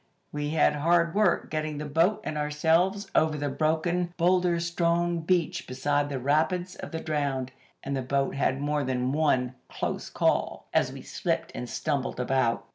"We had hard work getting the boat and ourselves over the broken, boulder strown beach beside the Rapids of the Drowned, and the boat had more than one 'close call' as we slipped and stumbled about.